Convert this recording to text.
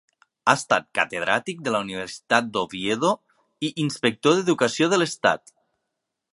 Ha estat Catedràtic de la Universitat d'Oviedo i inspector d'Educació de l'Estat.